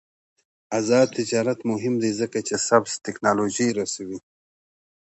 آزاد تجارت مهم دی ځکه چې سبز تکنالوژي رسوي.